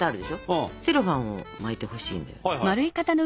セロファンを巻いてほしいのよ。